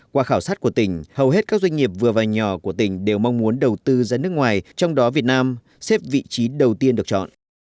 qua khảo sát của tỉnh hầu hết các doanh nghiệp vừa và nhỏ của tỉnh đều mong muốn đầu tư ra nước ngoài trong đó việt nam xếp vị trí đầu tiên được chọn